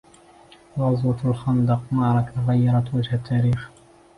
غزوة الخندق ـ معركة غيرت وجه التاريخ.